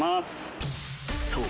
［そう。